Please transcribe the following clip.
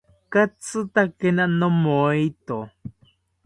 Katzitakena nomoeto